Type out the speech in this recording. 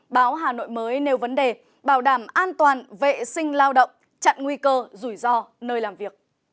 báo hà nội mới nêu vấn đề bảo đảm an toàn vệ sinh lao động chặn nguy cơ rủi ro nơi làm việc